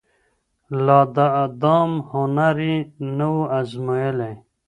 لا د دام هنر یې نه و أزمېیلی